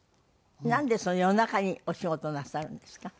なんで夜中にお仕事をなさるんですか？